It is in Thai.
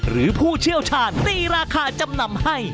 ผู้เชี่ยวชาญตีราคาจำนำให้